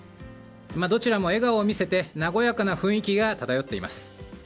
どちらも笑顔を見せて和やかな雰囲気が漂っています。